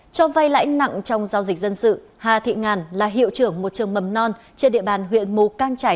cho vay lãnh nặng trong giao dịch dân sự hà thị ngàn là hiệu trưởng một trường mầm non trên địa bàn huyện mù căng trải